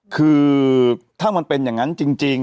คือถ้ามันเป็นอย่างนั้นจริง